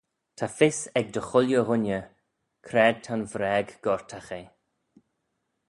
Ta fys ec dy chooilley ghooinney c'raad ta'n vraag gortagh eh